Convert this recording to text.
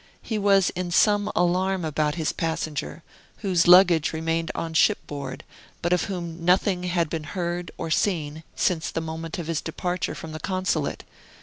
He was in some alarm about his passenger, whose luggage remained on shipboard, but of whom nothing had been heard or seen since the moment of his departure from the Consulate.